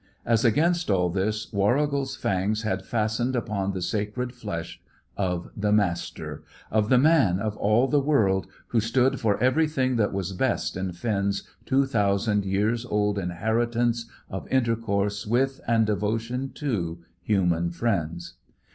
As against all this, Warrigal's fangs had fastened upon the sacred flesh of the Master, of the Man of all the world, who stood for everything that was best in Finn's two thousand years old inheritance of intercourse with and devotion to human friends.